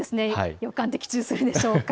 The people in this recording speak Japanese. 予感、的中するんでしょうか。